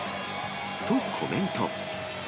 とコメント。